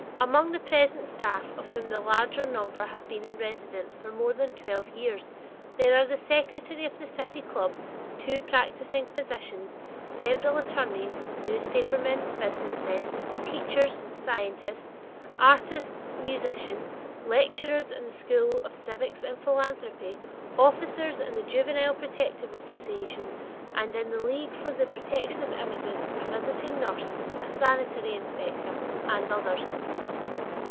Among the present staff, of whom the larger number have been in residence for more than twelve years, there are the secretary of the City club, two practicing physicians, several attorneys, newspapermen, businessmen, teachers, scientists, artists, musicians, lecturers in the School of Civics and Philanthropy, officers in The Juvenile Protective Association and in The League for the Protection of Immigrants, a visiting nurse, a sanitary inspector, and others.